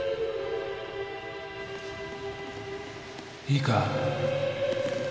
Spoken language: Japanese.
いいか？